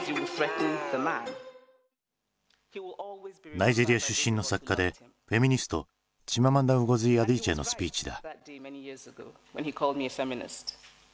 ナイジェリア出身の作家でフェミニストチママンダ・ンゴズィ・アディーチェのスピーチだ。